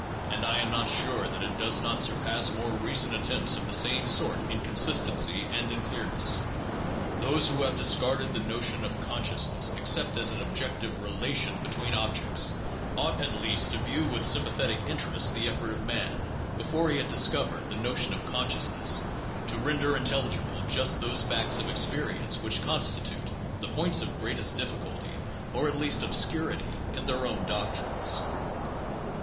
And I am not sure that it does not surpass more re cent attempts of the same sort in consistency and in clearness. Those who have discarded the notion of consciousness (except as an objec tive "relation" between objects) ought at least to view with sympa thetic interest the effort of man, before he had quite discovered the PSYCHOLOGY AND SCIENTIFIC METHODS 599 notion of consciousness, to render intelligible just those facts of ex perience which constitute the points of greatest difficulty, or at least obscurity, in their own doctrines.